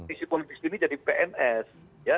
isi politis ini jadi pns